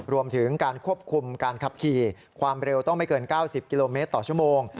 รวมถึงการควบคุมการขับขี่ความเร็วต้องไม่เกิน๙๐กิโลเมตรต่อชั่วโมง